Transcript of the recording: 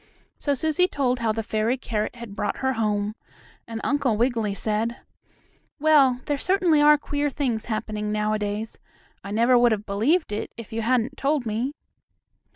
So Susie told how the fairy carrot had brought her home, and Uncle Wiggily said: "Well, there are certainly queer things happening nowadays. I never would have believed it if you hadn't told me."